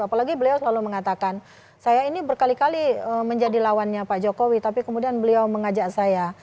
apalagi beliau selalu mengatakan saya ini berkali kali menjadi lawannya pak jokowi tapi kemudian beliau mengajak saya